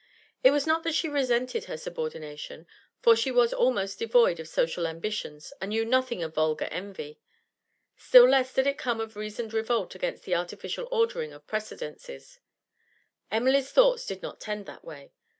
It was not that she resented her subordination, for she was almost devoid of social ambitions and knew nothing of vulgar envy; still less did it come of reasoned revolt against the artificial ordering of precedences; Emily's thoughts did not tend that way.